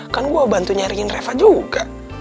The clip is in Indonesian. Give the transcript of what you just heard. kan gue bantu nyaringin reva juga